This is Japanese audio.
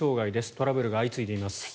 トラブルが相次いでいます。